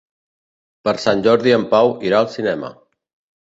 Per Sant Jordi en Pau irà al cinema.